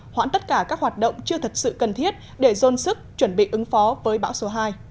hoãn tất cả các hoạt động chưa thật sự cần thiết để dôn sức chuẩn bị ứng phó với bão số hai